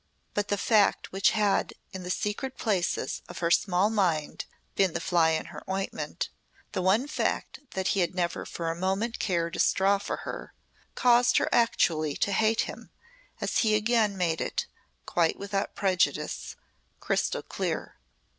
But the fact which had in the secret places of her small mind been the fly in her ointment the one fact that he had never for a moment cared a straw for her caused her actually to hate him as he again made it, quite without prejudice, crystal clear.